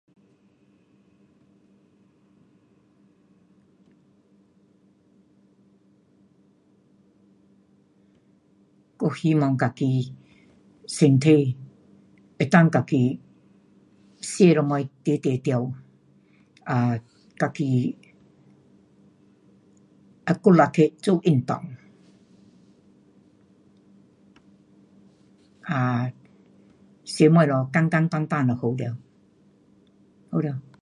。。。我希望自己身体可以自己吃什么都会对[um]自己会努力去做运动。[um]吃东西简简单单就好了。好了。